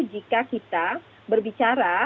jika kita berbicara